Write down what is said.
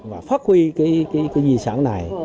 và phát huy cái di sản này